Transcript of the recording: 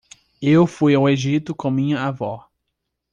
Eu fui ao Egito com minha avó.